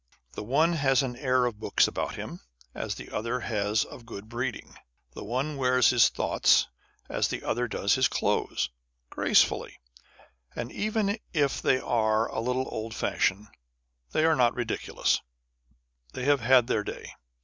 The one has an air of books about him, as the other has of good breeding. The one wears his thoughts as the other does his clothes, gracefully ; and even if they are a little old fashioned, they are not ridiculous : they have had their day.